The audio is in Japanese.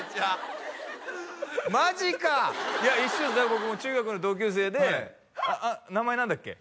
僕も中学の同級生で名前何だっけ？